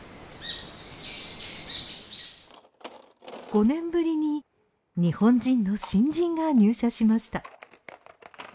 ５年ぶりに日本人の新人が入社しました。